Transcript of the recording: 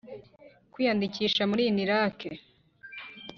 Kwiyandikisha muri inilak